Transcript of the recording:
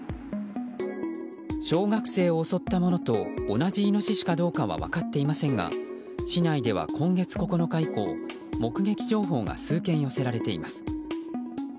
小学生を襲ったものと同じイノシシかどうかは分かっていませんが市内では今月９日以降目撃情報が数件寄せられています。